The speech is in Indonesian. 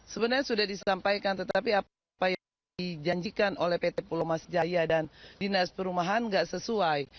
sebenarnya sudah disampaikan tetapi apa yang dijanjikan oleh pt pulau mas jaya dan dinas perumahan nggak sesuai